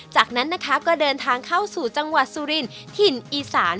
จากนั้นนะคะก็เดินทางเข้าสู่จังหวัดสุรินถิ่นอีสาน